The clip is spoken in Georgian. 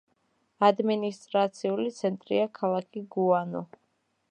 ადმინისტრაციული ცენტრია ქალაქი გუანო.